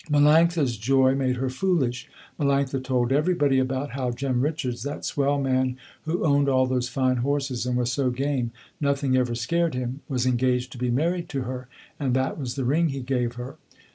Melanctha's joy made her foolish. Melanctha told everybody about how Jem Richards, that swell man who owned all those fine horses and was so game, nothing ever scared him, was engaged to be married to her, and that was the ring he gave her.